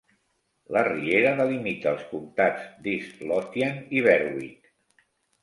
La riera delimita els comtats d'East Lothian i Berwick.